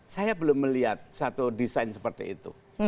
saya belum melihat satu desain seperti itu